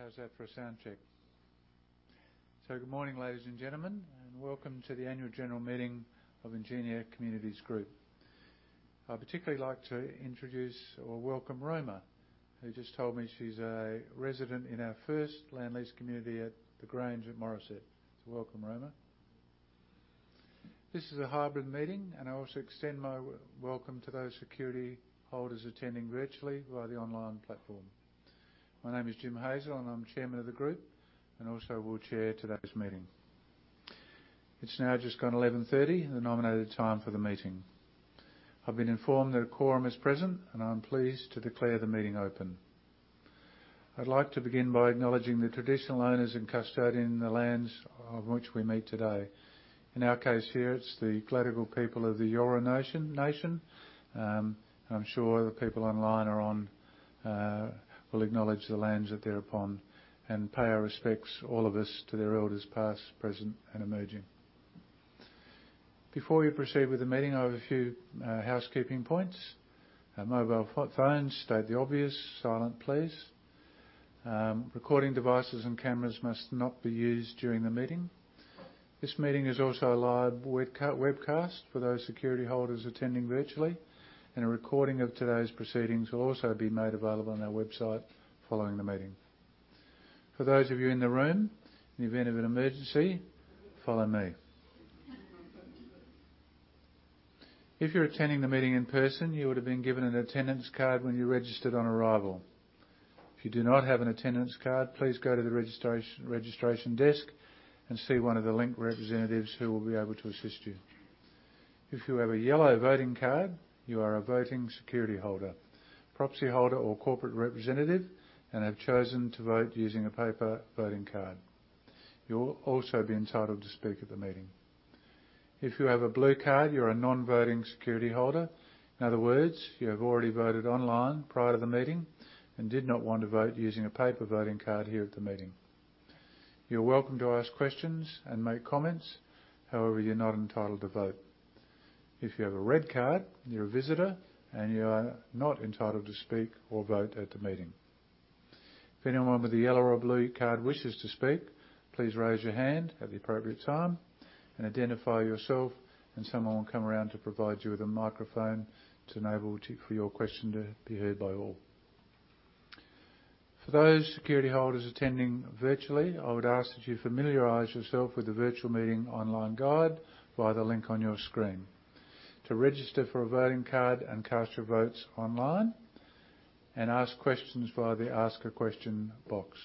How's that for a sound check? Good morning, ladies and gentlemen, and welcome to the Annual General Meeting of Ingenia Communities Group. I'd particularly like to introduce or welcome Roma, who just told me she's a resident in our first land lease community at The Grange at Morisset. Welcome, Roma. This is a hybrid meeting, and I also extend my welcome to those security holders attending virtually via the online platform. My name is Jim Hazel, and I'm chairman of the group and also will chair today's meeting. It's now just gone 11:30 A.M., the nominated time for the meeting. I've been informed that a quorum is present, and I'm pleased to declare the meeting open. I'd like to begin by acknowledging the traditional owners and custodians of the lands on which we meet today. In our case here, it's the Gadigal people of the Eora Nation. I'm sure the people online are on will acknowledge the lands that they're upon and pay our respects, all of us, to their elders past, present, and emerging. Before we proceed with the meeting, I have a few housekeeping points. Mobile phones, state the obvious, silent please. Recording devices and cameras must not be used during the meeting. This meeting is also a live webcast for those security holders attending virtually, and a recording of today's proceedings will also be made available on our website following the meeting. For those of you in the room, in the event of an emergency, follow me. If you're attending the meeting in person, you would have been given an attendance card when you registered on arrival. If you do not have an attendance card, please go to the registration desk and see one of the Link representatives who will be able to assist you. If you have a yellow voting card, you are a voting security holder, proxy holder, or corporate representative and have chosen to vote using a paper voting card. You'll also be entitled to speak at the meeting. If you have a blue card, you're a non-voting security holder. In other words, you have already voted online prior to the meeting and did not want to vote using a paper voting card here at the meeting. You're welcome to ask questions and make comments. However, you're not entitled to vote. If you have a red card, you're a visitor, and you are not entitled to speak or vote at the meeting. If anyone with a yellow or blue card wishes to speak, please raise your hand at the appropriate time and identify yourself, and someone will come around to provide you with a microphone for your question to be heard by all. For those security holders attending virtually, I would ask that you familiarize yourself with the virtual meeting online guide via the link on your screen. To register for a voting card and cast your votes online and ask questions via the Ask a Question box.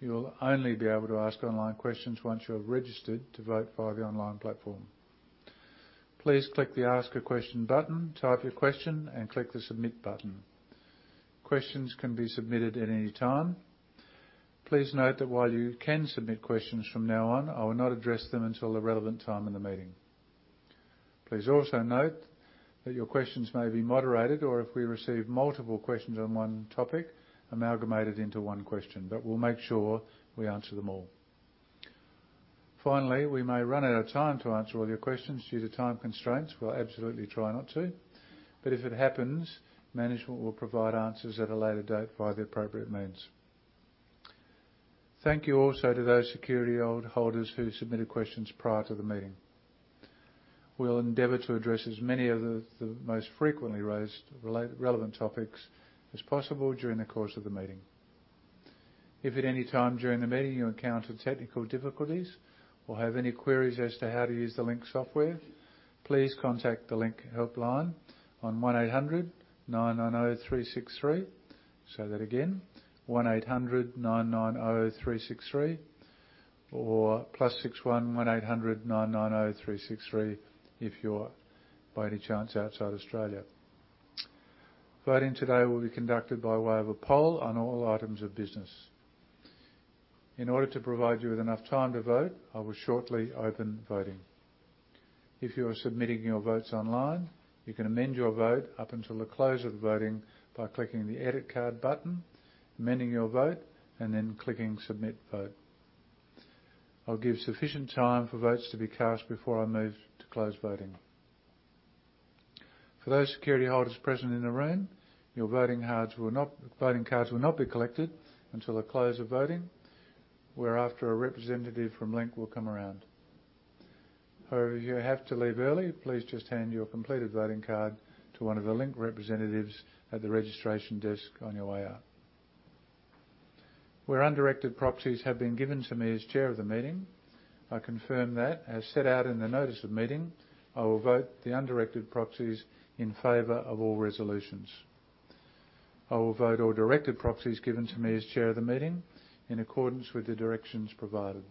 You will only be able to ask online questions once you have registered to vote via the online platform. Please click the Ask a Question button, type your question, and click the Submit button. Questions can be submitted at any time. Please note that while you can submit questions from now on, I will not address them until the relevant time in the meeting. Please also note that your questions may be moderated or if we receive multiple questions on one topic, amalgamated into one question, but we'll make sure we answer them all. Finally, we may run out of time to answer all your questions due to time constraints. We'll absolutely try not to, but if it happens, management will provide answers at a later date via the appropriate means. Thank you also to those security holders who submitted questions prior to the meeting. We'll endeavor to address as many of the most frequently raised relevant topics as possible during the course of the meeting. If at any time during the meeting you encounter technical difficulties or have any queries as to how to use the Link software, please contact the Link helpline on 1800 990 363. Say that again, 1800 990 363 or +61 1800 990 363 if you're by any chance outside Australia. Voting today will be conducted by way of a poll on all items of business. In order to provide you with enough time to vote, I will shortly open voting. If you are submitting your votes online, you can amend your vote up until the close of the voting by clicking the Edit Card button, amending your vote, and then clicking Submit Vote. I'll give sufficient time for votes to be cast before I move to close voting. For those security holders present in the room, your voting cards will not be collected until the close of voting whereafter a representative from Link will come around. However, if you have to leave early, please just hand your completed voting card to one of the Link representatives at the registration desk on your way out. Where undirected proxies have been given to me as chair of the meeting, I confirm that, as set out in the notice of meeting, I will vote the undirected proxies in favor of all resolutions. I will vote all directed proxies given to me as chair of the meeting in accordance with the directions provided.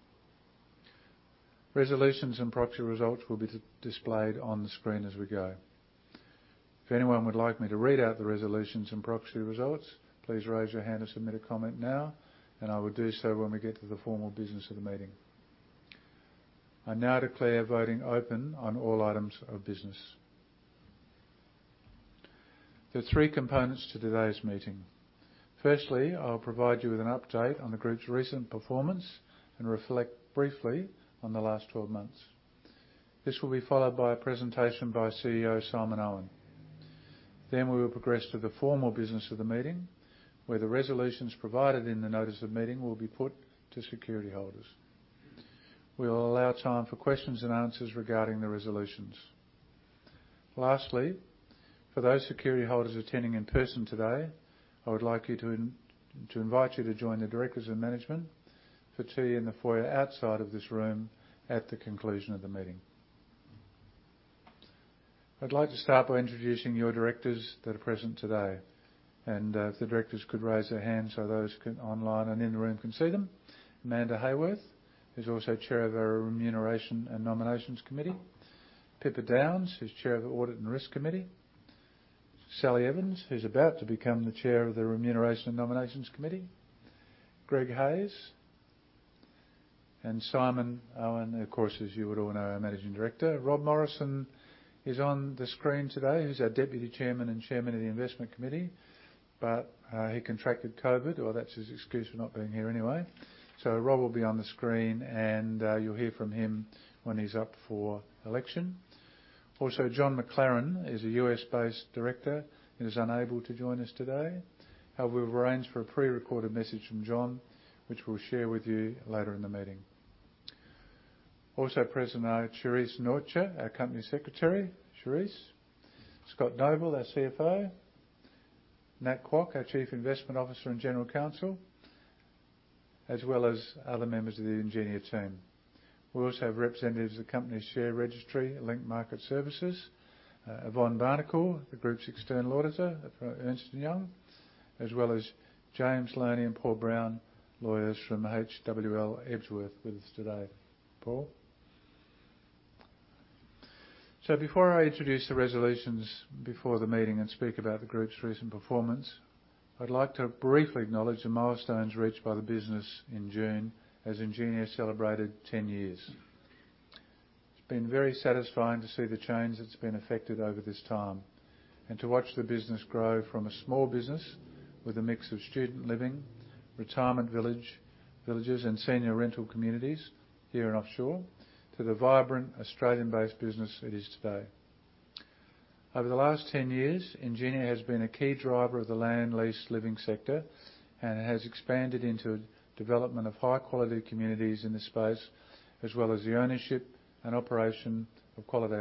Resolutions and proxy results will be displayed on the screen as we go. If anyone would like me to read out the resolutions and proxy results, please raise your hand to submit a comment now, and I will do so when we get to the formal business of the meeting. I now declare voting open on all items of business. There are three components to today's meeting. Firstly, I'll provide you with an update on the group's recent performance and reflect briefly on the last twelve months. This will be followed by a presentation by CEO Simon Owen. Then we will progress to the formal business of the meeting, where the resolutions provided in the notice of meeting will be put to security holders. We will allow time for questions and answers regarding the resolutions. Lastly, for those security holders attending in person today, I would like to invite you to join the directors and management for tea in the foyer outside of this room at the conclusion of the meeting. I'd like to start by introducing your directors that are present today, and if the directors could raise their hands so those online and in the room can see them. Amanda Heyworth, who's also Chair of our Remuneration and Nomination Committee. Pippa Downes, who's Chair of the Audit and Risk Committee. Sally Evans, who's about to become the Chair of the Remuneration and Nomination Committee. Greg Hayes and Simon Owen, of course, as you would all know, our Managing Director. Rob Morrison is on the screen today, who's our Deputy Chairman and Chairman of the Investment Committee, but he contracted COVID. Well, that's his excuse for not being here anyway. Rob will be on the screen, and, you'll hear from him when he's up for election. Also, John McLaren is a U.S.-based director and is unable to join us today. However, we've arranged for a pre-recorded message from John, which we'll share with you later in the meeting. Also present are Charisse Nortje, our Company Secretary. Charisse. Scott Noble, our CFO. Nat Kwok, our Chief Investment Officer and General Counsel, as well as other members of the Ingenia team. We also have representatives of the company's share registry, Link Market Services. Yvonne Barnacle, the group's external auditor for Ernst & Young, as well as James Lonie and Paul Brown, lawyers from HWL Ebsworth, with us today. Paul. Before I introduce the resolutions before the meeting and speak about the group's recent performance, I'd like to briefly acknowledge the milestones reached by the business in June as Ingenia celebrated 10 years. It's been very satisfying to see the change that's been affected over this time, and to watch the business grow from a small business with a mix of student living, retirement village, villages and senior rental communities here and offshore, to the vibrant Australian-based business it is today. Over the last 10 years, Ingenia has been a key driver of the land lease living sector and has expanded into development of high quality communities in this space, as well as the ownership and operation of quality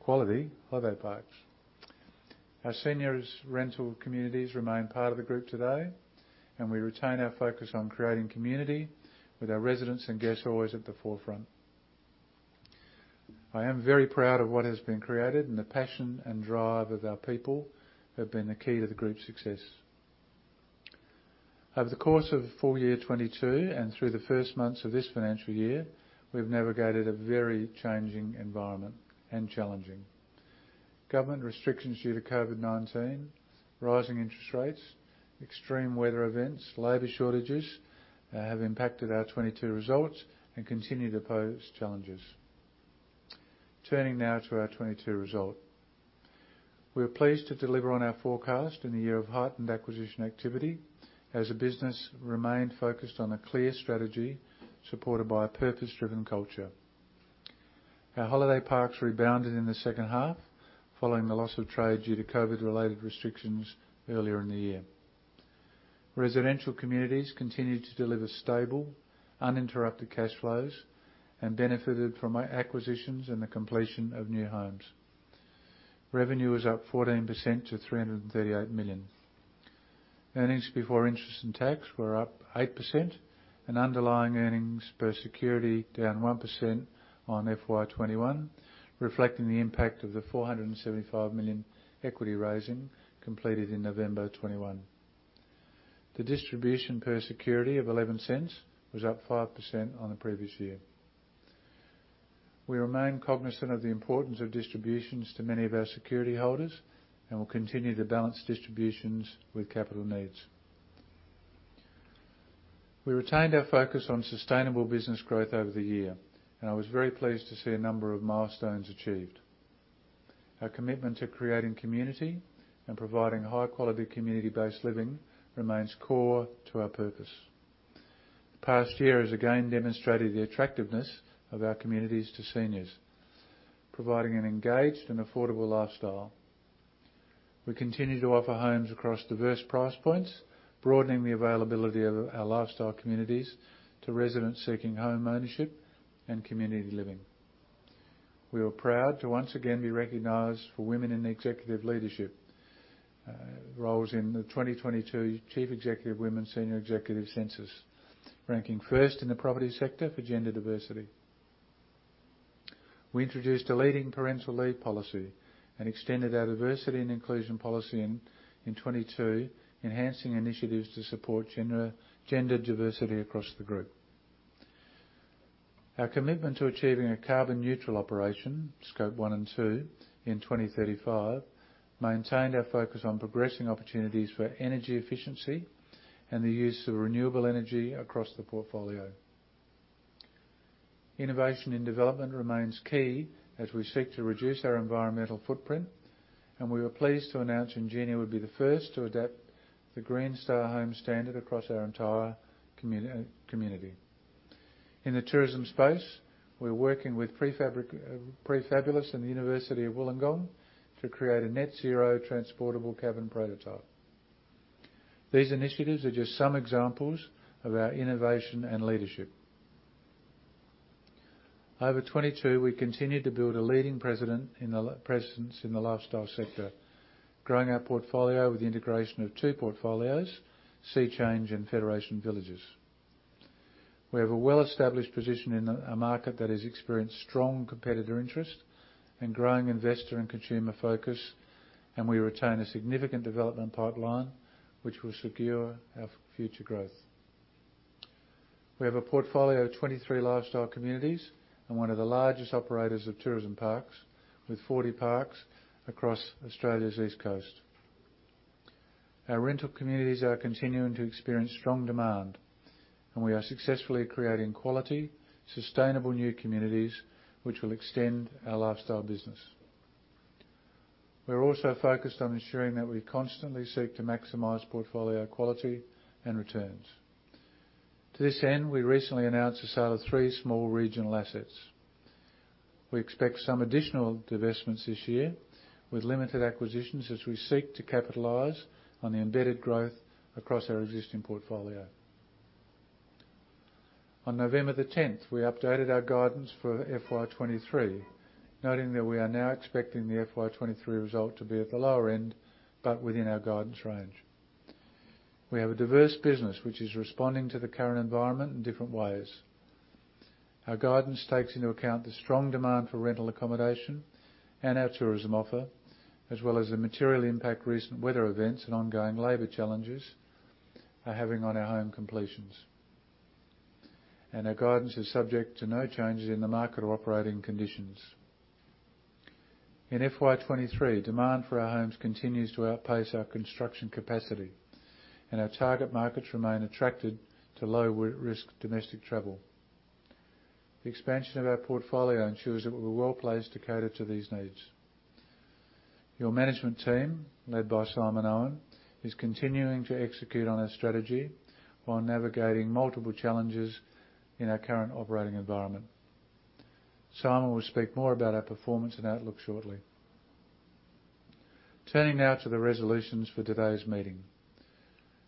holiday parks. Our seniors rental communities remain part of the group today, and we retain our focus on creating community with our residents and guests always at the forefront. I am very proud of what has been created, and the passion and drive of our people have been the key to the group's success. Over the course of full year 2022 and through the first months of this financial year, we've navigated a very changing environment, and challenging. Government restrictions due to COVID-19, rising interest rates, extreme weather events, labor shortages, have impacted our 2022 results and continue to pose challenges. Turning now to our 2022 result. We are pleased to deliver on our forecast in a year of heightened acquisition activity as the business remained focused on a clear strategy supported by a purpose-driven culture. Our holiday parks rebounded in the second half following the loss of trade due to COVID-related restrictions earlier in the year. Residential communities continued to deliver stable, uninterrupted cash flows and benefited from acquisitions and the completion of new homes. Revenue was up 14% to 338 million. Earnings before interest and tax were up 8% and underlying earnings per security down 1% on FY 2021, reflecting the impact of the 475 million equity raising completed in November 2021. The distribution per security of 0.11 was up 5% on the previous year. We remain cognizant of the importance of distributions to many of our security holders and will continue to balance distributions with capital needs. We retained our focus on sustainable business growth over the year, and I was very pleased to see a number of milestones achieved. Our commitment to creating community and providing high quality community-based living remains core to our purpose. The past year has again demonstrated the attractiveness of our communities to seniors, providing an engaged and affordable lifestyle. We continue to offer homes across diverse price points, broadening the availability of our lifestyle communities to residents seeking home ownership and community living. We are proud to once again be recognized for women in executive leadership roles in the 2022 Chief Executive Women Senior Executive Census, ranking first in the property sector for gender diversity. We introduced a leading parental leave policy and extended our diversity and inclusion policy in 2022, enhancing initiatives to support gender diversity across the group. Our commitment to achieving a carbon neutral operation, scope one and two, in 2035, maintained our focus on progressing opportunities for energy efficiency and the use of renewable energy across the portfolio. Innovation in development remains key as we seek to reduce our environmental footprint, and we were pleased to announce Ingenia would be the first to adopt the Green Star Homes standard across our entire community. In the tourism space, we're working with Prefabulous and the University of Wollongong to create a net zero transportable cabin prototype. These initiatives are just some examples of our innovation and leadership. Over 2022, we continued to build a leading presence in the lifestyle sector, growing our portfolio with the integration of two portfolios, Seachange and Federation Villages. We have a well-established position in a market that has experienced strong competitor interest and growing investor and consumer focus, and we retain a significant development pipeline which will secure our future growth. We have a portfolio of 23 lifestyle communities and one of the largest operators of tourism parks with 40 parks across Australia's East Coast. Our rental communities are continuing to experience strong demand, and we are successfully creating quality, sustainable new communities which will extend our lifestyle business. We're also focused on ensuring that we constantly seek to maximize portfolio quality and returns. To this end, we recently announced the sale of three small regional assets. We expect some additional divestments this year with limited acquisitions as we seek to capitalize on the embedded growth across our existing portfolio. On November 10th, we updated our guidance for FY 2023, noting that we are now expecting the FY 2023 result to be at the lower end, but within our guidance range. We have a diverse business which is responding to the current environment in different ways. Our guidance takes into account the strong demand for rental accommodation and our tourism offer, as well as the material impact recent weather events and ongoing labor challenges are having on our home completions. Our guidance is subject to no changes in the market or operating conditions. In FY 2023, demand for our homes continues to outpace our construction capacity, and our target markets remain attracted to low risk domestic travel. The expansion of our portfolio ensures that we're well-placed to cater to these needs. Your management team, led by Simon Owen, is continuing to execute on our strategy while navigating multiple challenges in our current operating environment. Simon will speak more about our performance and outlook shortly. Turning now to the resolutions for today's meeting.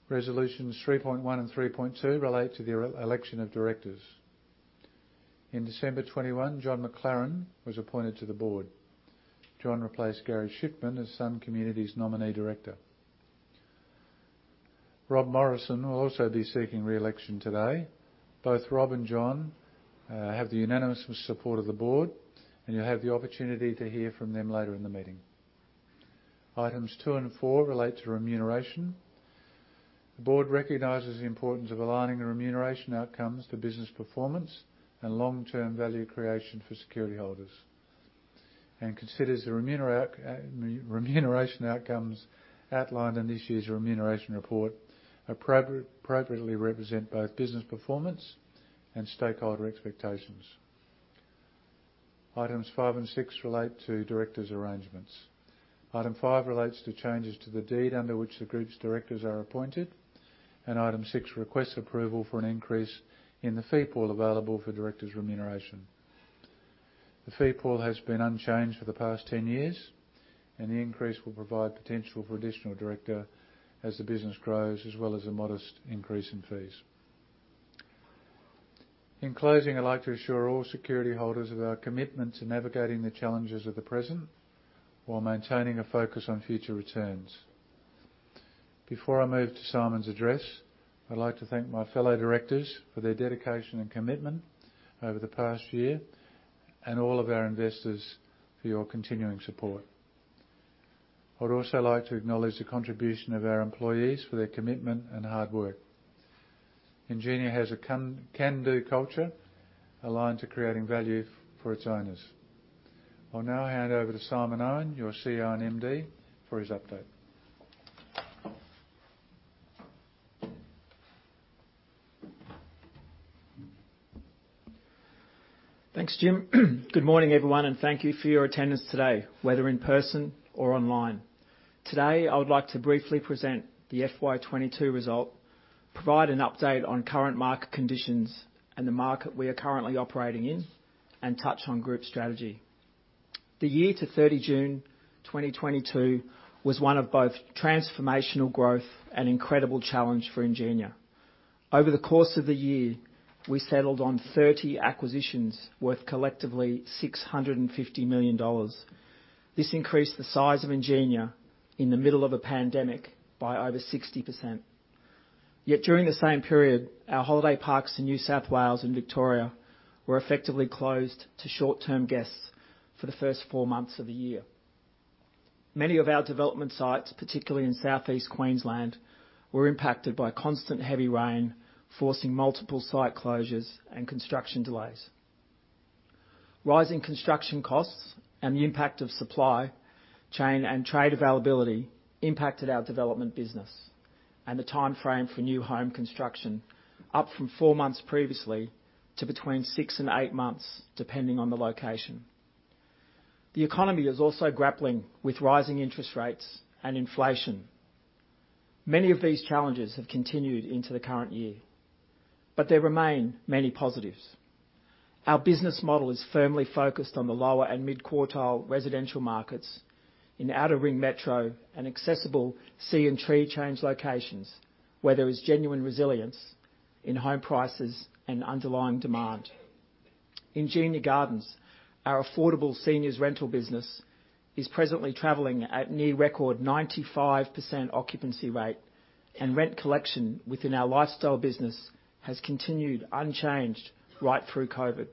Resolutions 3.1 and 3.2 relate to the election of directors. In December 2021, John McLaren was appointed to the board. John replaced Gary Shiffman as Sun Communities' nominee director. Rob Morrison will also be seeking re-election today. Both Rob and John have the unanimous support of the board, and you'll have the opportunity to hear from them later in the meeting. Items two and four relate to remuneration. The board recognizes the importance of aligning the remuneration outcomes to business performance and long-term value creation for security holders, and considers the remuneration outcomes outlined in this year's remuneration report appropriately represent both business performance and stakeholder expectations. Items five and six relate to directors' arrangements. Item five relates to changes to the deed under which the group's directors are appointed, and item six requests approval for an increase in the fee pool available for directors' remuneration. The fee pool has been unchanged for the past 10 years, and the increase will provide potential for additional director as the business grows, as well as a modest increase in fees. In closing, I'd like to assure all security holders of our commitment to navigating the challenges of the present while maintaining a focus on future returns. Before I move to Simon's address, I'd like to thank my fellow directors for their dedication and commitment over the past year, and all of our investors for your continuing support. I would also like to acknowledge the contribution of our employees for their commitment and hard work. Ingenia has a can-do culture aligned to creating value for its owners. I'll now hand over to Simon Owen, your CEO and MD, for his update. Thanks, Jim. Good morning, everyone, and thank you for your attendance today, whether in person or online. Today, I would like to briefly present the FY 2022 result, provide an update on current market conditions and the market we are currently operating in, and touch on group strategy. The year to 30 June 2022 was one of both transformational growth and incredible challenge for Ingenia. Over the course of the year, we settled on 30 acquisitions worth collectively 650 million dollars. This increased the size of Ingenia in the middle of a pandemic by over 60%. Yet during the same period, our holiday parks in New South Wales and Victoria were effectively closed to short-term guests for the first four months of the year. Many of our development sites, particularly in Southeast Queensland, were impacted by constant heavy rain, forcing multiple site closures and construction delays. Rising construction costs and the impact of supply chain and trade availability impacted our development business and the timeframe for new home construction up from four months previously to between six and eight months, depending on the location. The economy is also grappling with rising interest rates and inflation. Many of these challenges have continued into the current year, but there remain many positives. Our business model is firmly focused on the lower and mid-quartile residential markets in outer ring metro and accessible sea and tree change locations where there is genuine resilience in home prices and underlying demand. Ingenia Gardens, our affordable seniors rental business, is presently traveling at near record 95% occupancy rate and rent collection within our lifestyle business has continued unchanged right through COVID.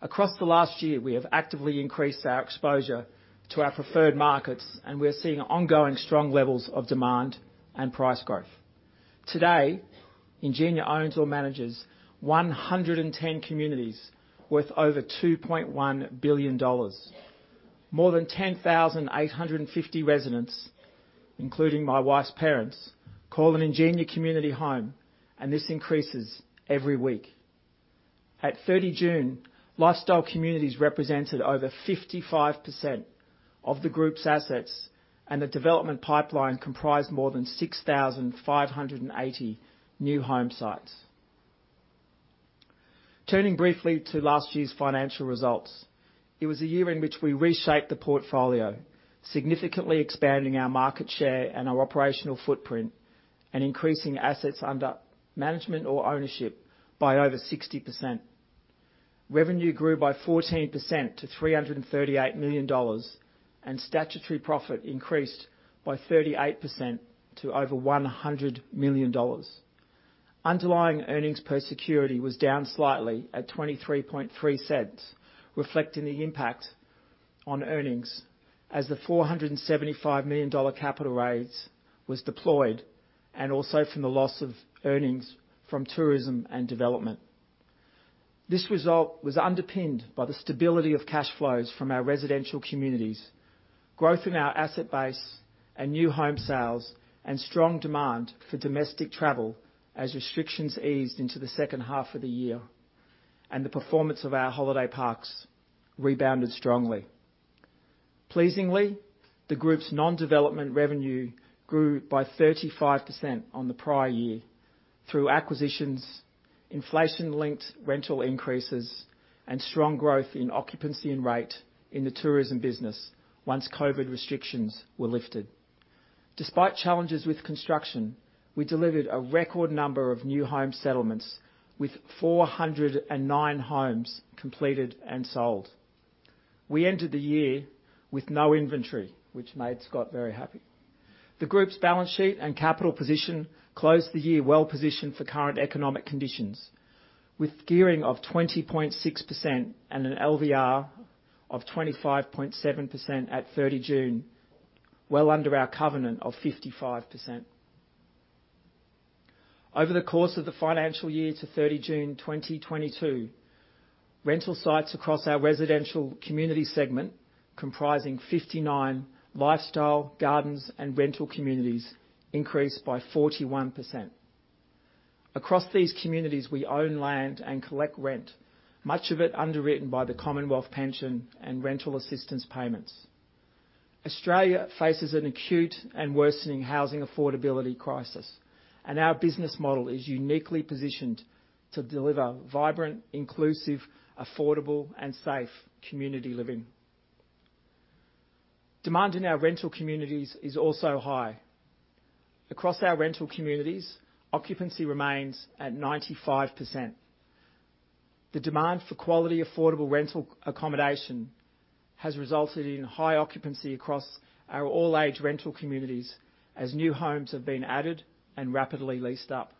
Across the last year, we have actively increased our exposure to our preferred markets, and we are seeing ongoing strong levels of demand and price growth. Today, Ingenia owns or manages 110 communities worth over 2.1 billion dollars. More than 10,850 residents, including my wife's parents, call an Ingenia community home, and this increases every week. At 30 June, lifestyle communities represented over 55% of the group's assets, and the development pipeline comprised more than 6,580 new home sites. Turning briefly to last year's financial results, it was a year in which we reshaped the portfolio, significantly expanding our market share and our operational footprint, and increasing assets under management or ownership by over 60%. Revenue grew by 14% to 338 million dollars, and statutory profit increased by 38% to over 100 million dollars. Underlying earnings per security was down slightly at 0.233, reflecting the impact on earnings as the 475 million dollar capital raise was deployed, and also from the loss of earnings from tourism and development. This result was underpinned by the stability of cash flows from our residential communities, growth in our asset base and new home sales, and strong demand for domestic travel as restrictions eased into the second half of the year, and the performance of our holiday parks rebounded strongly. Pleasingly, the group's non-development revenue grew by 35% on the prior year through acquisitions, inflation-linked rental increases, and strong growth in occupancy and rate in the tourism business once COVID restrictions were lifted. Despite challenges with construction, we delivered a record number of new home settlements with 409 homes completed and sold. We ended the year with no inventory, which made Scott very happy. The group's balance sheet and capital position closed the year well-positioned for current economic conditions with gearing of 20.6% and an LVR of 25.7% at 30 June, well under our covenant of 55%. Over the course of the financial year to 30 June 2022, rental sites across our residential community segment, comprising 59 lifestyle gardens and rental communities, increased by 41%. Across these communities, we own land and collect rent, much of it underwritten by the Commonwealth Pension and Rental Assistance payments. Australia faces an acute and worsening housing affordability crisis, and our business model is uniquely positioned to deliver vibrant, inclusive, affordable, and safe community living. Demand in our rental communities is also high. Across our rental communities, occupancy remains at 95%. The demand for quality, affordable rental accommodation has resulted in high occupancy across our all-age rental communities as new homes have been added and rapidly leased up.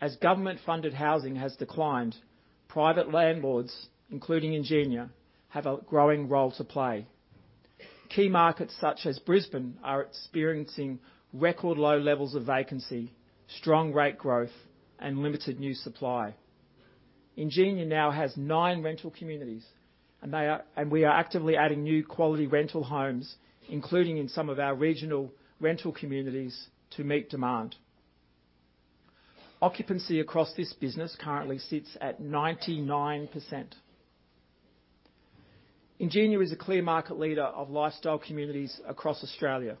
As government-funded housing has declined, private landlords, including Ingenia, have a growing role to play. Key markets such as Brisbane are experiencing record low levels of vacancy, strong rate growth, and limited new supply. Ingenia now has nine rental communities, and we are actively adding new quality rental homes, including in some of our regional rental communities to meet demand. Occupancy across this business currently sits at 99%. Ingenia is a clear market leader of lifestyle communities across Australia.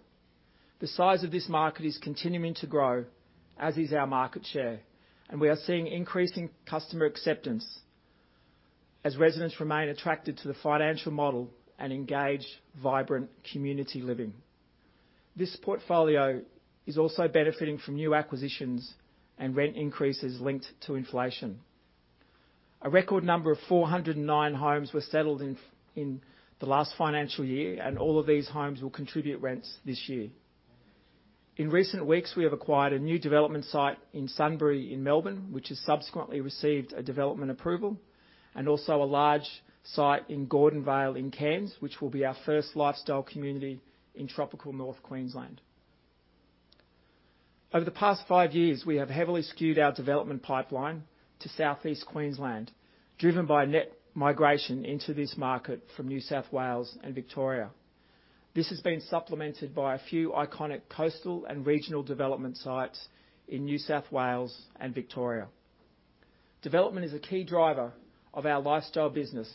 The size of this market is continuing to grow, as is our market share, and we are seeing increasing customer acceptance as residents remain attracted to the financial model and engage vibrant community living. This portfolio is also benefiting from new acquisitions and rent increases linked to inflation. A record number of 409 homes were settled in the last financial year, and all of these homes will contribute rents this year. In recent weeks, we have acquired a new development site in Sunbury in Melbourne, which has subsequently received a development approval, and also a large site in Gordonvale in Cairns, which will be our first lifestyle community in tropical North Queensland. Over the past five years, we have heavily skewed our development pipeline to Southeast Queensland, driven by net migration into this market from New South Wales and Victoria. This has been supplemented by a few iconic coastal and regional development sites in New South Wales and Victoria. Development is a key driver of our lifestyle business,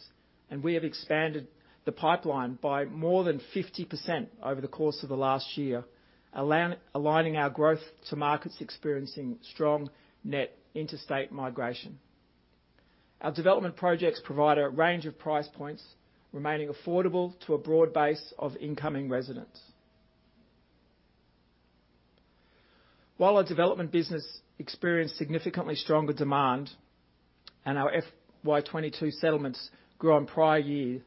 and we have expanded the pipeline by more than 50% over the course of the last year, aligning our growth to markets experiencing strong net interstate migration. Our development projects provide a range of price points, remaining affordable to a broad base of incoming residents. While our development business experienced significantly stronger demand and our FY 2022 settlements grew on prior year,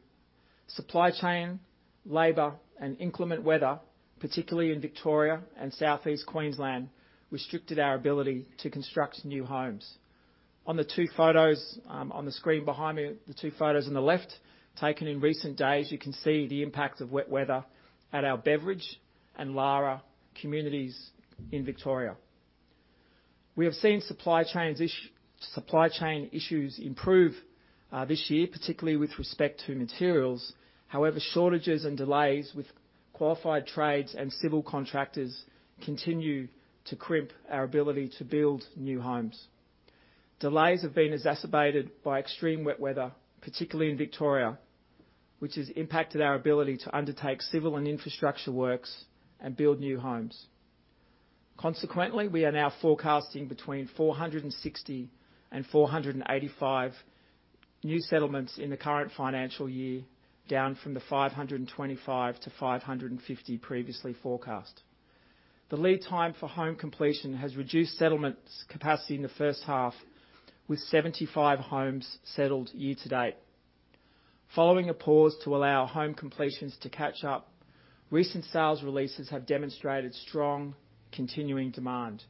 supply chain, labor, and inclement weather, particularly in Victoria and Southeast Queensland, restricted our ability to construct new homes. On the two photos on the screen behind me, the two photos on the left, taken in recent days, you can see the impact of wet weather at our Beveridge and Lara communities in Victoria. We have seen supply chain issues improve this year, particularly with respect to materials. However, shortages and delays with qualified trades and civil contractors continue to crimp our ability to build new homes. Delays have been exacerbated by extreme wet weather, particularly in Victoria, which has impacted our ability to undertake civil and infrastructure works and build new homes. Consequently, we are now forecasting between 460 and 485 new settlements in the current financial year, down from the 525-550 previously forecast. The lead time for home completion has reduced settlements capacity in the first half, with 75 homes settled year to date. Following a pause to allow home completions to catch up, recent sales releases have demonstrated strong continuing demand.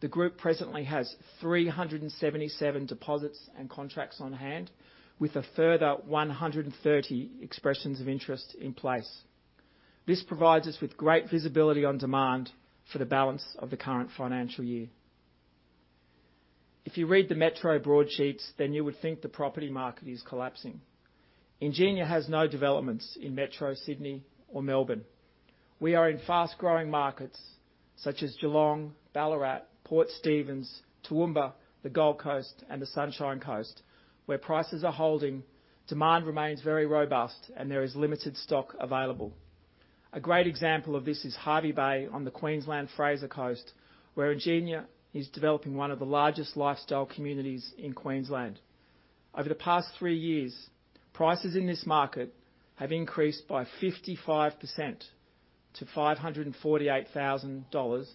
The group presently has 377 deposits and contracts on hand, with a further 130 expressions of interest in place. This provides us with great visibility on demand for the balance of the current financial year. If you read the metro broadsheets, then you would think the property market is collapsing. Ingenia has no developments in Metro Sydney or Melbourne. We are in fast-growing markets such as Geelong, Ballarat, Port Stephens, Toowoomba, the Gold Coast, and the Sunshine Coast, where prices are holding, demand remains very robust, and there is limited stock available. A great example of this is Hervey Bay on the Queensland Fraser Coast, where Ingenia is developing one of the largest lifestyle communities in Queensland. Over the past three years, prices in this market have increased by 55% to 548 thousand dollars,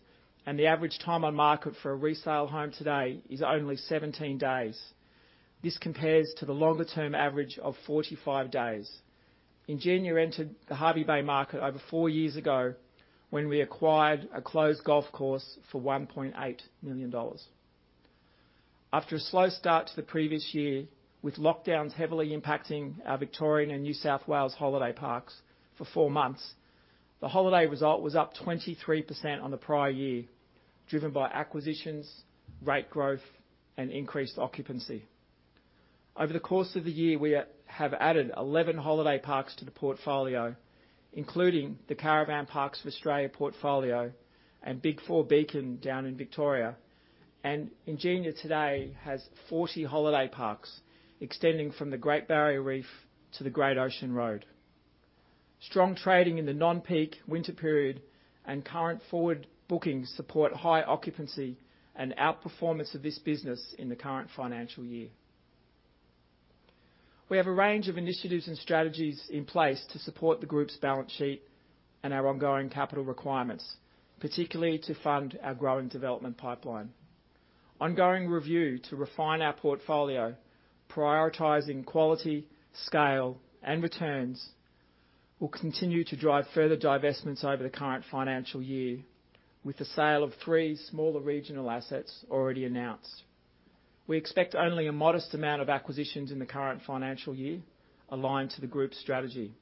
and the average time on market for a resale home today is only 17 days. This compares to the longer-term average of 45 days. Ingenia entered the Hervey Bay market over four years ago when we acquired a closed golf course for 1.8 million dollars. After a slow start to the previous year, with lockdowns heavily impacting our Victorian and New South Wales holiday parks for four months, the holiday result was up 23% on the prior year, driven by acquisitions, rate growth, and increased occupancy. Over the course of the year, we have added 11 holiday parks to the portfolio, including the Caravan Parks of Australia portfolio and BIG4 Beacon down in Victoria. Ingenia today has 40 holiday parks extending from the Great Barrier Reef to the Great Ocean Road. Strong trading in the non-peak winter period and current forward bookings support high occupancy and outperformance of this business in the current financial year. We have a range of initiatives and strategies in place to support the group's balance sheet and our ongoing capital requirements, particularly to fund our growing development pipeline. Ongoing review to refine our portfolio, prioritizing quality, scale, and returns, will continue to drive further divestments over the current financial year, with the sale of three smaller regional assets already announced. We expect only a modest amount of acquisitions in the current financial year aligned to the group's strategy.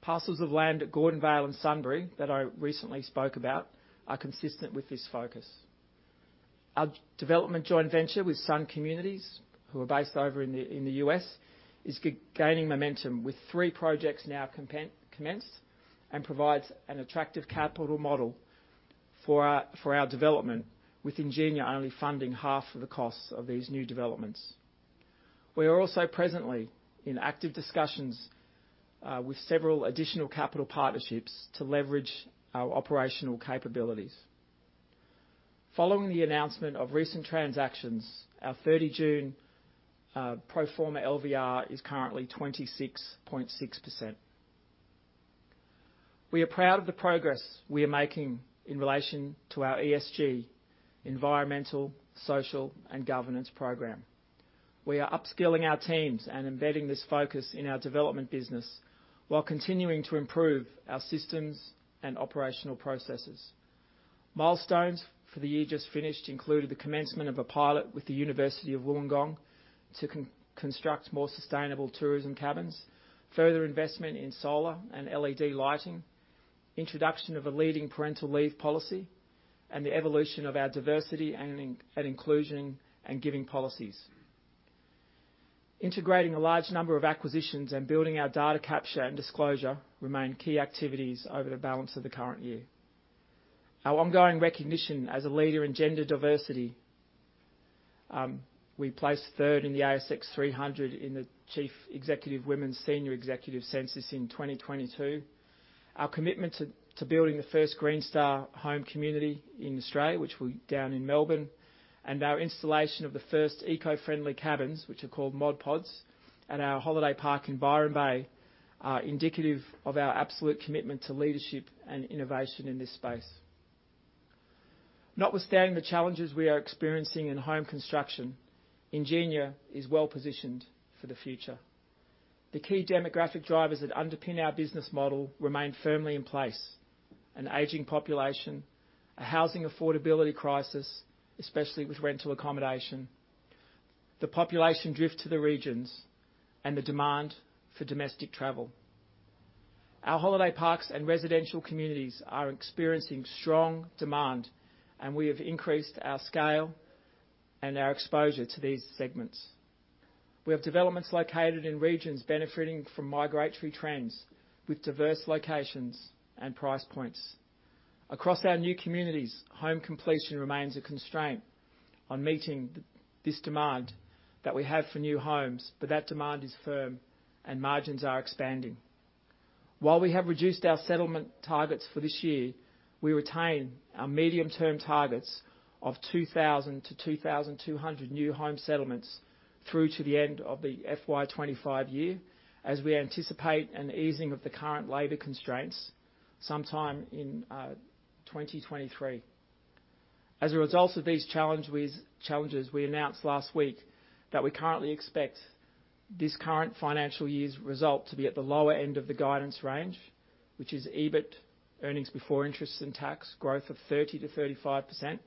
Parcels of land at Gordonvale and Sunbury that I recently spoke about are consistent with this focus. Our development joint venture with Sun Communities, who are based over in the US, is gaining momentum with three projects now commenced and provides an attractive capital model for our development with Ingenia only funding half of the costs of these new developments. We are also presently in active discussions with several additional capital partnerships to leverage our operational capabilities. Following the announcement of recent transactions, our 30 June pro forma LVR is currently 26.6%. We are proud of the progress we are making in relation to our ESG, environmental, social, and governance program. We are upskilling our teams and embedding this focus in our development business while continuing to improve our systems and operational processes. Milestones for the year just finished included the commencement of a pilot with the University of Wollongong to construct more sustainable tourism cabins, further investment in solar and LED lighting, introduction of a leading parental leave policy, and the evolution of our diversity and inclusion and giving policies. Integrating a large number of acquisitions and building our data capture and disclosure remain key activities over the balance of the current year. Our ongoing recognition as a leader in gender diversity, we placed third in the ASX 300 in the Chief Executive Women Senior Executive Census in 2022. Our commitment to building the first Green Star home community in Australia, which will be down in Melbourne, and our installation of the first eco-friendly cabins, which are called Mod Pods, at our holiday park in Byron Bay, are indicative of our absolute commitment to leadership and innovation in this space. Notwithstanding the challenges we are experiencing in home construction, Ingenia is well-positioned for the future. The key demographic drivers that underpin our business model remain firmly in place, an aging population, a housing affordability crisis, especially with rental accommodation, the population drift to the regions, and the demand for domestic travel. Our holiday parks and residential communities are experiencing strong demand, and we have increased our scale and our exposure to these segments. We have developments located in regions benefiting from migratory trends with diverse locations and price points. Across our new communities, home completion remains a constraint on meeting this demand that we have for new homes, but that demand is firm and margins are expanding. While we have reduced our settlement targets for this year, we retain our medium-term targets of 2,000 to 2,200 new home settlements through to the end of the FY 2025 year, as we anticipate an easing of the current labor constraints sometime in 2023. As a result of these challenges, we announced last week that we currently expect this current financial year's result to be at the lower end of the guidance range, which is EBIT, earnings before interest and tax, growth of 30%-35%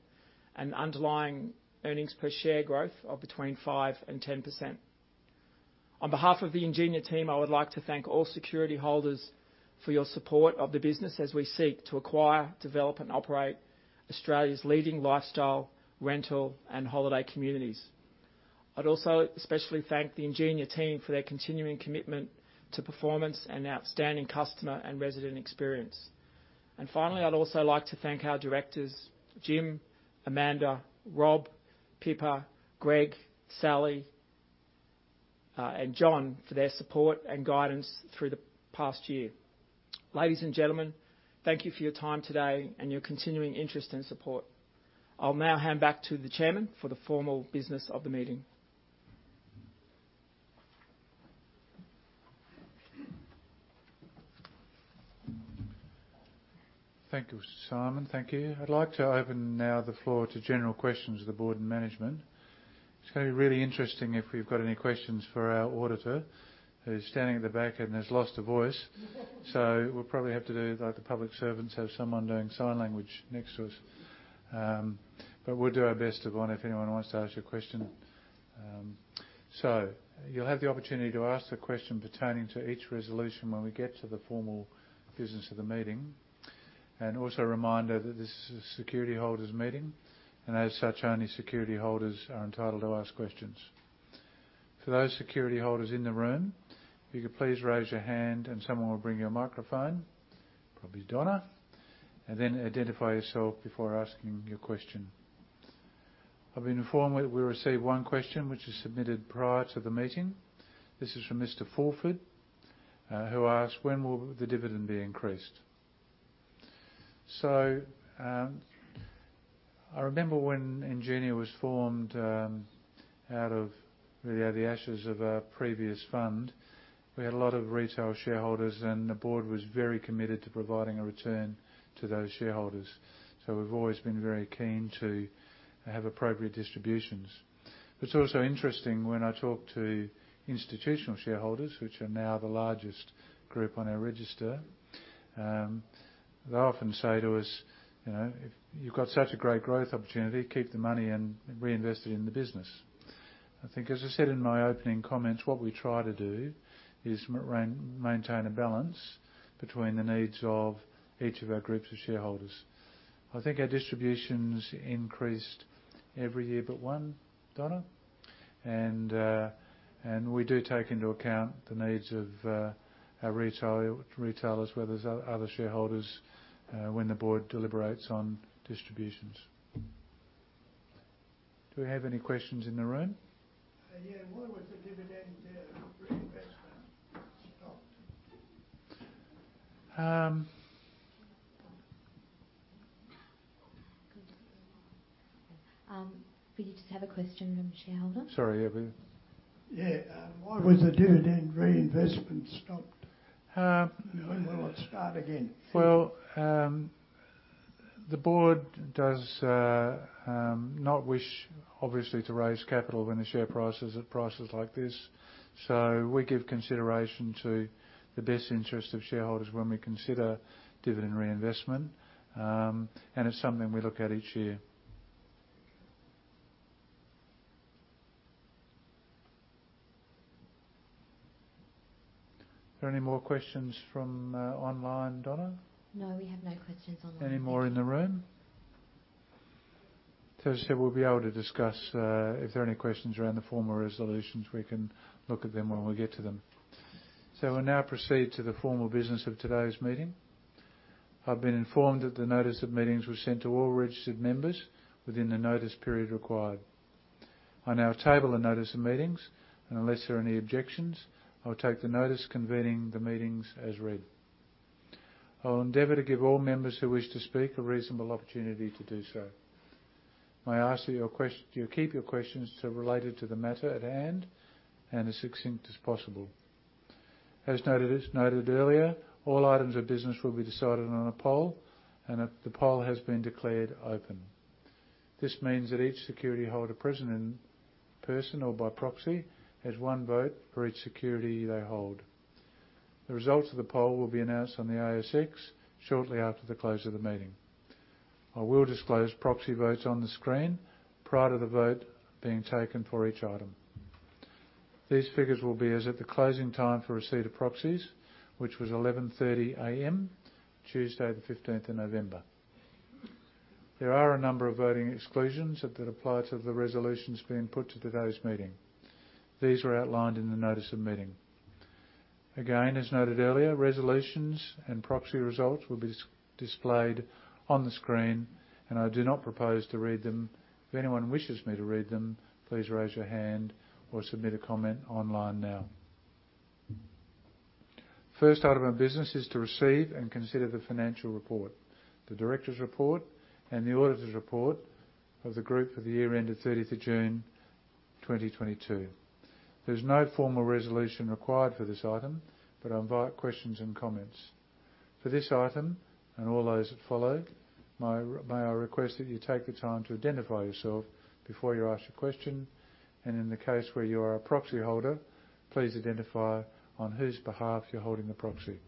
and underlying earnings per share growth of between 5% and 10%. On behalf of the Ingenia team, I would like to thank all security holders for your support of the business as we seek to acquire, develop, and operate Australia's leading lifestyle, rental, and holiday communities. I'd also especially thank the Ingenia team for their continuing commitment to performance and outstanding customer and resident experience. Finally, I'd also like to thank our directors, Jim, Amanda, Rob, Pippa, Greg, Sally, and John for their support and guidance through the past year. Ladies and gentlemen, thank you for your time today and your continuing interest and support. I'll now hand back to the chairman for the formal business of the meeting. Thank you, Simon. Thank you. I'd like to open now the floor to general questions to the board and management. It's gonna be really interesting if we've got any questions for our auditor, who's standing at the back and has lost a voice. We'll probably have to do like the public servants, have someone doing sign language next to us. But we'll do our best, Yvonne, if anyone wants to ask a question. You'll have the opportunity to ask the question pertaining to each resolution when we get to the formal business of the meeting. Also a reminder that this is a security holders meeting, and as such, only security holders are entitled to ask questions. For those security holders in the room, if you could please raise your hand and someone will bring you a microphone, probably Donna, and then identify yourself before asking your question. I've been informed we received one question, which was submitted prior to the meeting. This is from Mr. Fulford, who asked, "When will the dividend be increased?" I remember when Ingenia was formed out of really the ashes of a previous fund. We had a lot of retail shareholders, and the board was very committed to providing a return to those shareholders. We've always been very keen to have appropriate distributions. It's also interesting when I talk to institutional shareholders, which are now the largest group on our register, they often say to us, "You know, if you've got such a great growth opportunity, keep the money and reinvest it in the business." I think as I said in my opening comments, what we try to do is maintain a balance between the needs of each of our groups of shareholders. I think our distributions increased every year, but one, Donna? We do take into account the needs of our retailers, as well as other shareholders, when the board deliberates on distributions. Do we have any questions in the room? Yeah. Why was the dividend reinvestment stopped? Um. We just have a question from a shareholder. Sorry, over here. Yeah. Why was the dividend reinvestment stopped? When will it start again? Well, the board does not wish obviously to raise capital when the share price is at prices like this. We give consideration to the best interest of shareholders when we consider dividend reinvestment, and it's something we look at each year. Are there any more questions from online, Donna? No, we have no questions online. Any more in the room? As I said, we'll be able to discuss if there are any questions around the formal resolutions, we can look at them when we get to them. We'll now proceed to the formal business of today's meeting. I've been informed that the notice of meetings was sent to all registered members within the notice period required. I now table the notice of meetings, and unless there are any objections, I'll take the notice convening the meetings as read. I will endeavor to give all members who wish to speak a reasonable opportunity to do so. May I ask that you keep your questions related to the matter at hand and as succinct as possible. As noted earlier, all items of business will be decided on a poll, and the poll has been declared open. This means that each security holder present in person or by proxy has one vote for each security they hold. The results of the poll will be announced on the ASX shortly after the close of the meeting. I will disclose proxy votes on the screen prior to the vote being taken for each item. These figures will be as at the closing time for receipt of proxies, which was 11:30 A.M., Tuesday, the 15th of November. There are a number of voting exclusions that apply to the resolutions being put to today's meeting. These were outlined in the notice of meeting. Again, as noted earlier, resolutions and proxy results will be displayed on the screen, and I do not propose to read them. If anyone wishes me to read them, please raise your hand or submit a comment online now. First item of business is to receive and consider the financial report, the director's report, and the auditor's report of the group for the year ended 30th of June, 2022. There's no formal resolution required for this item, but I invite questions and comments. For this item and all those that follow, may I request that you take the time to identify yourself before you ask a question, and in the case where you are a proxy holder, please identify on whose behalf you're holding the proxy.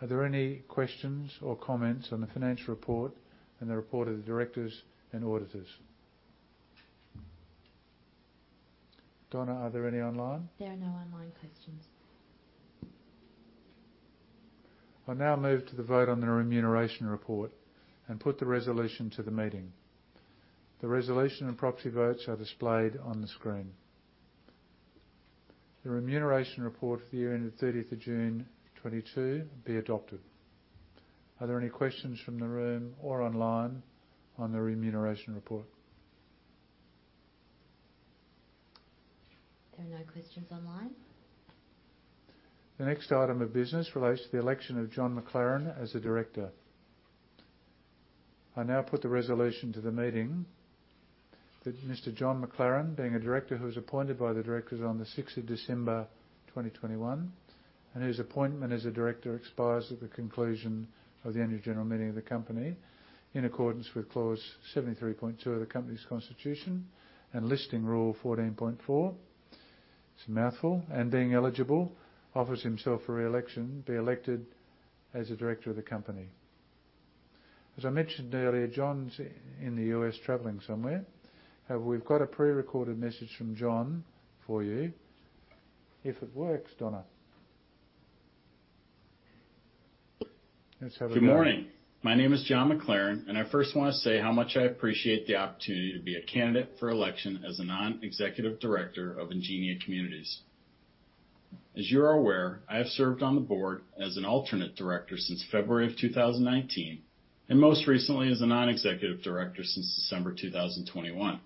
Are there any questions or comments on the financial report and the report of the directors and auditors? Donna, are there any online? There are no online questions. I now move to the vote on the remuneration report and put the resolution to the meeting. The resolution and proxy votes are displayed on the screen. The remuneration report for the year ended 30th of June 2022 be adopted. Are there any questions from the room or online on the remuneration report? There are no questions online. The next item of business relates to the election of John McLaren as a director. I now put the resolution to the meeting that Mr. John McLaren, being a director who was appointed by the directors on the sixth of December 2021, and whose appointment as a director expires at the conclusion of the annual general meeting of the company in accordance with Clause 73.2 of the company's constitution and Listing Rule 14.4, it's a mouthful, and being eligible, offers himself for re-election, be elected as a director of the company. As I mentioned earlier, John's in the U.S. traveling somewhere. We've got a pre-recorded message from John for you. If it works, Donna. Let's have a go. Good morning. My name is John McLaren, and I first wanna say how much I appreciate the opportunity to be a candidate for election as a non-executive director of Ingenia Communities. As you're aware, I have served on the board as an alternate director since February 2019, and most recently as a non-executive director since December 2021.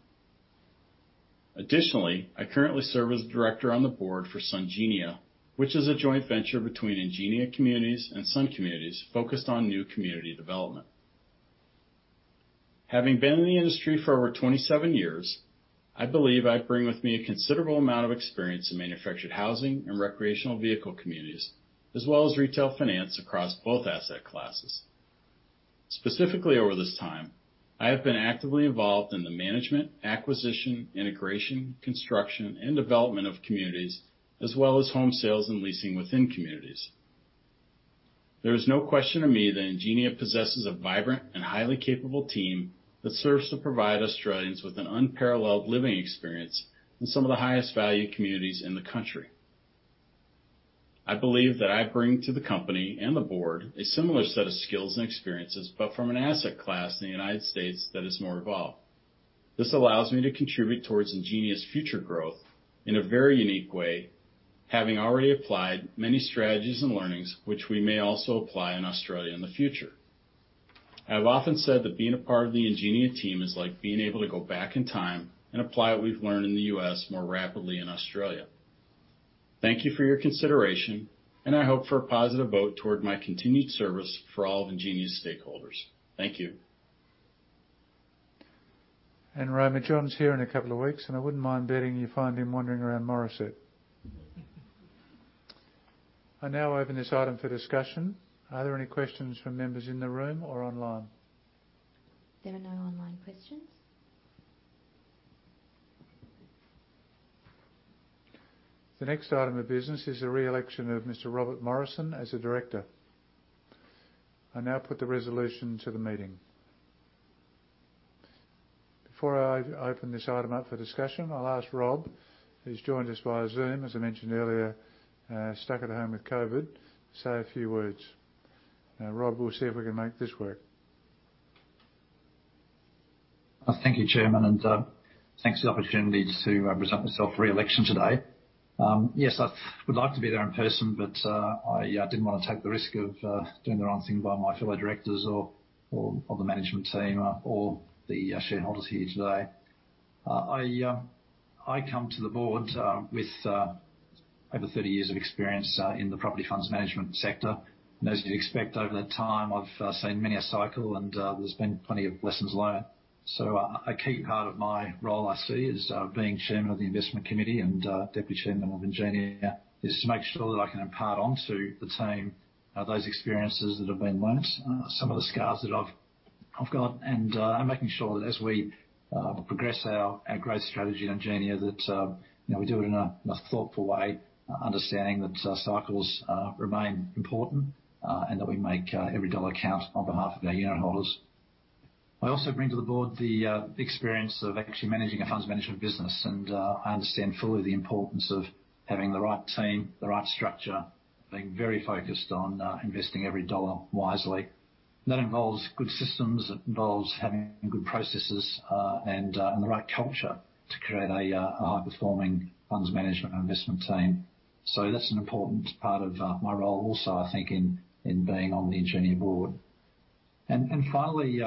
Additionally, I currently serve as a director on the board for Sungenia, which is a joint venture between Ingenia Communities and Sun Communities focused on new community development. Having been in the industry for over 27 years, I believe I bring with me a considerable amount of experience in manufactured housing and recreational vehicle communities, as well as retail finance across both asset classes. Specifically over this time, I have been actively involved in the management, acquisition, integration, construction and development of communities as well as home sales and leasing within communities. There is no question to me that Ingenia possesses a vibrant and highly capable team that serves to provide Australians with an unparalleled living experience in some of the highest value communities in the country. I believe that I bring to the company and the board a similar set of skills and experiences, but from an asset class in the United States that is more evolved. This allows me to contribute towards Ingenia's future growth in a very unique way, having already applied many strategies and learnings which we may also apply in Australia in the future. I've often said that being a part of the Ingenia team is like being able to go back in time and apply what we've learned in the U.S. more rapidly in Australia. Thank you for your consideration, and I hope for a positive vote toward my continued service for all of Ingenia's stakeholders. Thank you. Roma, John McLaren's here in a couple of weeks, and I wouldn't mind betting you find him wandering around Morisset. I now open this item for discussion. Are there any questions from members in the room or online? There are no online questions. The next item of business is the re-election of Mr. Robert Morrison as a director. I now put the resolution to the meeting. Before I open this item up for discussion, I'll ask Rob, who's joined us via Zoom, as I mentioned earlier, stuck at home with COVID, say a few words. Now, Rob, we'll see if we can make this work. Thank you, Chairman, and thanks for the opportunity to present myself for re-election today. Yes, I would like to be there in person, but I didn't wanna take the risk of doing the wrong thing by my fellow directors or the management team or the shareholders here today. I come to the board with over 30 years of experience in the property funds management sector. As you'd expect, over that time, I've seen many a cycle and there's been plenty of lessons learned. A key part of my role I see as being chairman of the Investment Committee and deputy chairman of Ingenia is to make sure that I can impart onto the team those experiences that have been learned some of the scars that I've got, and making sure that as we progress our growth strategy at Ingenia that you know we do it in a thoughtful way, understanding that cycles remain important and that we make every dollar count on behalf of our unit holders. I also bring to the board the experience of actually managing a funds management business. I understand fully the importance of having the right team, the right structure, being very focused on investing every dollar wisely. That involves good systems. It involves having good processes, and the right culture to create a high-performing funds management and investment team. That's an important part of my role also, I think, in being on the Ingenia board. Finally,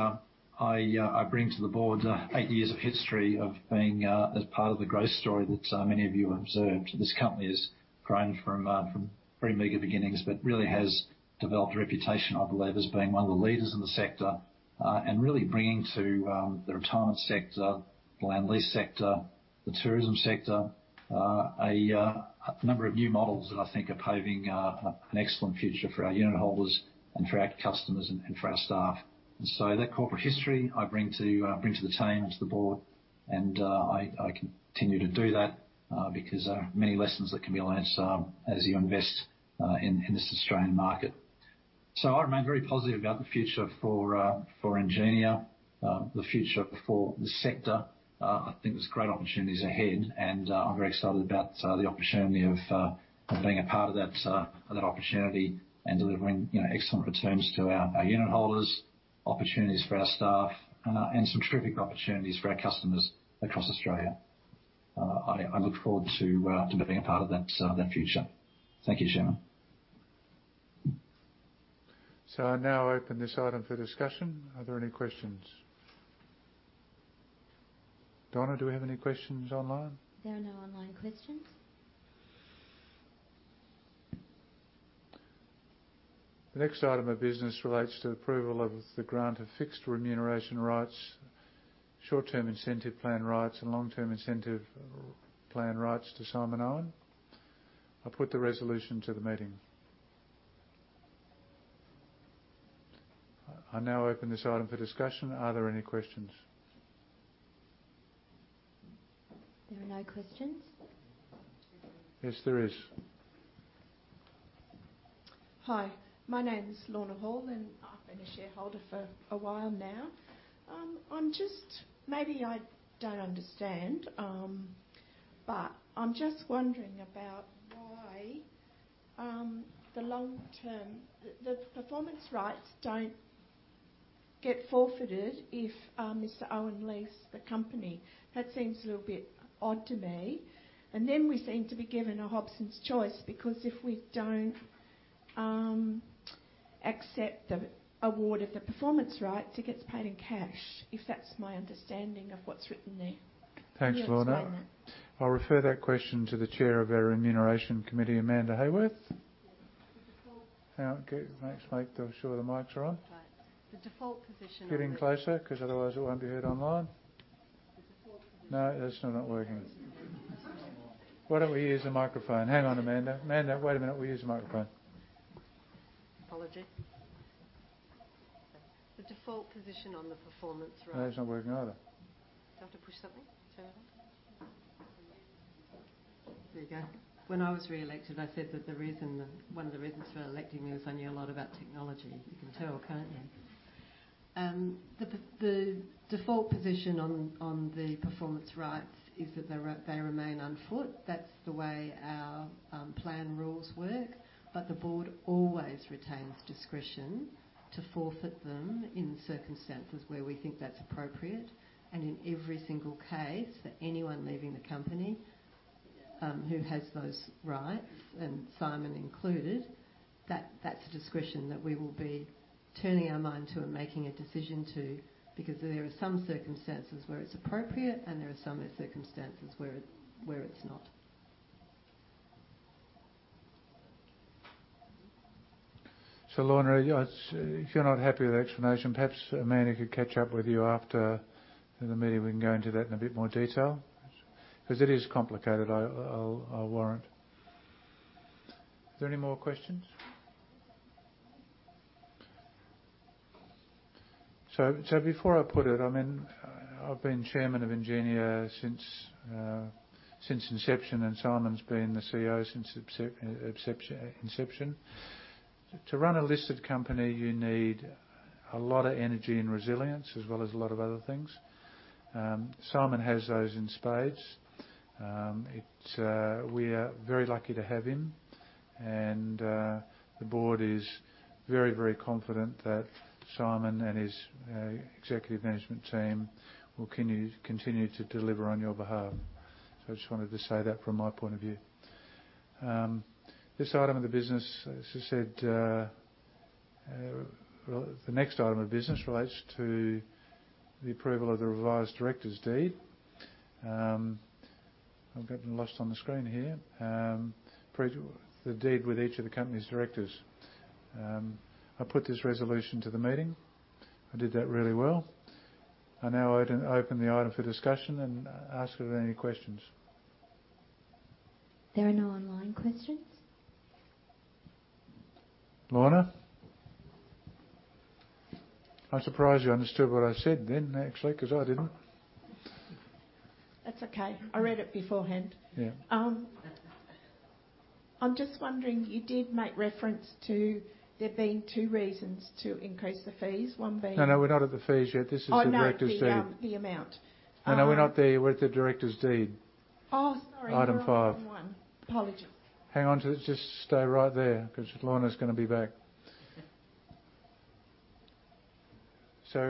I bring to the board eight years of history of being as part of the growth story that many of you observed. This company has grown from pretty meager beginnings, but really has developed a reputation, I believe, as being one of the leaders in the sector, and really bringing to the retirement sector, the land lease sector, the tourism sector, a number of new models that I think are paving an excellent future for our unit holders and for our customers and for our staff. That corporate history I bring to the team and to the board, and I continue to do that, because many lessons that can be learned, as you invest in this Australian market. I remain very positive about the future for Ingenia, the future for the sector. I think there's great opportunities ahead, and I'm very excited about the opportunity of being a part of that opportunity and delivering, you know, excellent returns to our unit holders, opportunities for our staff, and some terrific opportunities for our customers across Australia. I look forward to being a part of that future. Thank you, Chairman. I now open this item for discussion. Are there any questions? Donna, do we have any questions online? There are no online questions. The next item of business relates to approval of the grant of fixed remuneration rights, short-term incentive plan rights, and long-term incentive plan rights to Simon Owen. I put the resolution to the meeting. I now open this item for discussion. Are there any questions? There are no questions. Yes, there is. Hi, my name is Lorna Hall, and I've been a shareholder for a while now. Maybe I don't understand, but I'm just wondering about why the long-term performance rights don't get forfeited if Mr. Owen leaves the company. That seems a little bit odd to me. Then we seem to be given a Hobson's choice, because if we don't accept the award of the performance rights, it gets paid in cash, if that's my understanding of what's written there. Thanks, Lorna. Can you explain that? I'll refer that question to the Chair of our Remuneration Committee, Amanda Heyworth. The default- Hang on. Make sure the mics are on. Right. The default position. Get in closer, 'cause otherwise it won't be heard online. The default position. No, it's still not working. Why don't we use the microphone? Hang on, Amanda. Amanda, wait a minute. We'll use the microphone. The default position on the performance, right. No, it's not working either. Do I have to push something? Turn it on? There you go. When I was re-elected, I said that the reason, one of the reasons for electing me was I knew a lot about technology. You can tell, can't you? The default position on the performance rights is that they remain on foot. That's the way our plan rules work. The board always retains discretion to forfeit them in circumstances where we think that's appropriate. In every single case for anyone leaving the company who has those rights, and Simon included, that's a discretion that we will be turning our mind to and making a decision to, because there are some circumstances where it's appropriate and there are some circumstances where it's not. Lorna, if you're not happy with the explanation, perhaps Amanda could catch up with you after the meeting. We can go into that in a bit more detail. Because it is complicated, I'll warrant. Are there any more questions? Before I put it, I mean, I've been Chairman of Ingenia since inception, and Simon's been the CEO since its inception. To run a listed company, you need a lot of energy and resilience, as well as a lot of other things. Simon has those in spades. We are very lucky to have him. The board is very, very confident that Simon and his executive management team will continue to deliver on your behalf. I just wanted to say that from my point of view. This item of the business, as I said, well, the next item of business relates to the approval of the revised directors deed. I've gotten lost on the screen here. The deed with each of the company's directors. I put this resolution to the meeting. I did that really well. I now open the item for discussion and ask if there are any questions. There are no online questions. Lorna? I'm surprised you understood what I said then actually, 'cause I didn't. That's okay. I read it beforehand. Yeah. I'm just wondering, you did make reference to there being two reasons to increase the fees. One being No, no, we're not at the fees yet. This is the director's deed. Oh, no, the amount. No, we're not there. We're at the director's deed. Oh, sorry. We're on item one. Item five. Apologies. Just stay right there, 'cause Lorna's gonna be back.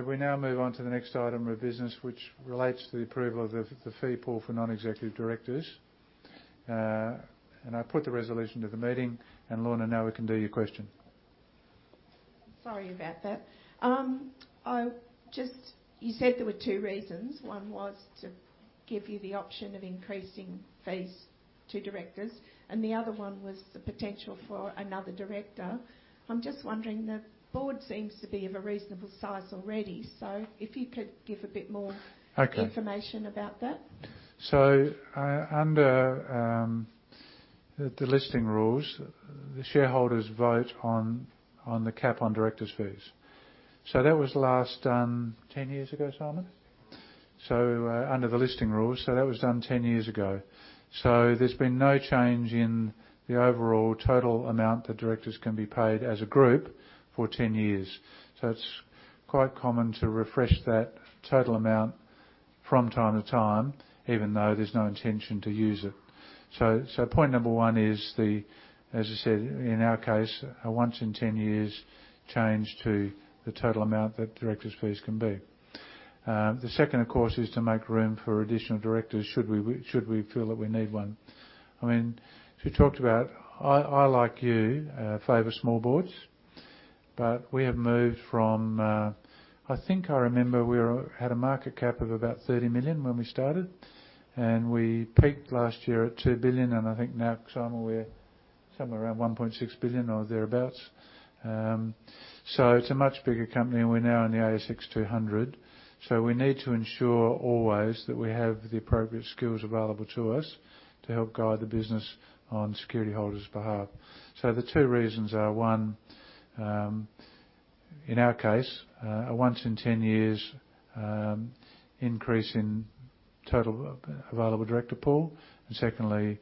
We now move on to the next item of business, which relates to the approval of the fee pool for non-executive directors. I put the resolution to the meeting. Lorna, now we can do your question. Sorry about that. You said there were two reasons. One was to give you the option of increasing fees to directors and the other one was the potential for another director. I'm just wondering, the board seems to be of a reasonable size already, so if you could give a bit more Okay. information about that. Under the listing rules, the shareholders vote on the cap on directors' fees. That was last done 10 years ago, Simon. There's been no change in the overall total amount that directors can be paid as a group for 10 years. It's quite common to refresh that total amount from time to time, even though there's no intention to use it. Point number one is, as I said, in our case, a once in 10 years change to the total amount that directors' fees can be. The second, of course, is to make room for additional directors, should we feel that we need one. I mean, as we talked about, I like you favor small boards, but we have moved from, I think I remember we had a market cap of about 30 million when we started, and we peaked last year at 2 billion. I think now, Simon, we're somewhere around 1.6 billion or thereabouts. It's a much bigger company, and we're now in the ASX 200. We need to ensure always that we have the appropriate skills available to us to help guide the business on security holders' behalf. The two reasons are, one, in our case, a once in 10 years increase in total available director pool. Secondly,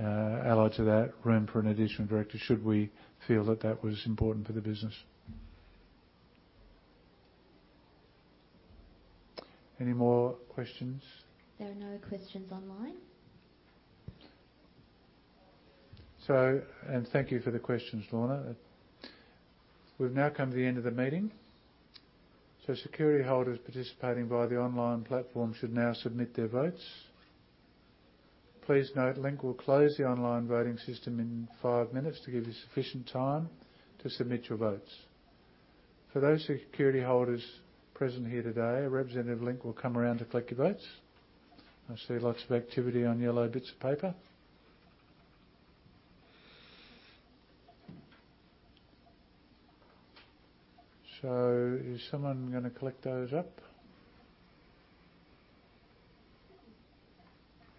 allied to that, room for an additional director, should we feel that was important for the business. Any more questions? There are no questions online. Thank you for the questions, Lorna. We've now come to the end of the meeting. Security holders participating via the online platform should now submit their votes. Please note, Link will close the online voting system in five minutes to give you sufficient time to submit your votes. For those security holders present here today, a representative of Link will come around to collect your votes. I see lots of activity on yellow bits of paper. Is someone gonna collect those up?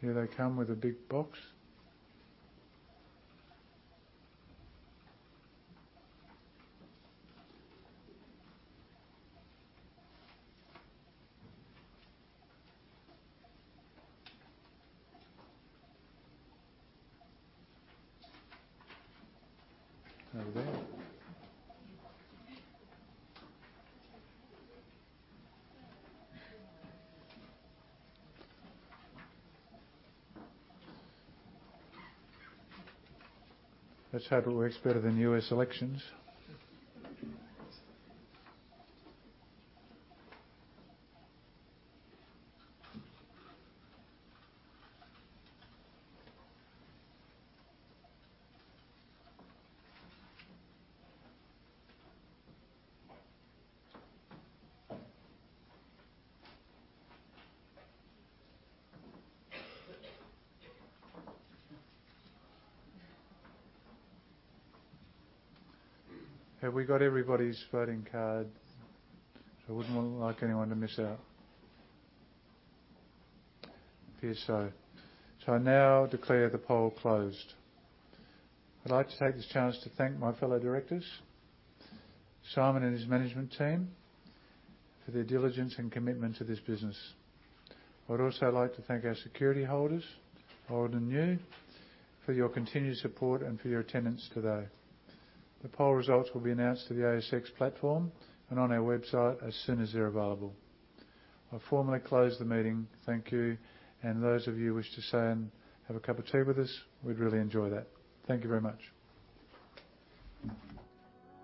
Here they come with a big box. How about that? Let's hope it works better than U.S. elections. Have we got everybody's voting card? I wouldn't want, like anyone to miss out. Appears so. I now declare the poll closed. I'd like to take this chance to thank my fellow directors, Simon and his management team, for their diligence and commitment to this business. I'd also like to thank our security holders, old and new, for your continued support and for your attendance today. The poll results will be announced to the ASX platform and on our website as soon as they're available. I formally close the meeting. Thank you. Those of you who wish to stay and have a cup of tea with us, we'd really enjoy that. Thank you very much.